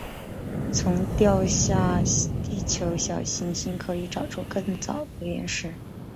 从掉下地球的小行星可以找出更早的岩石。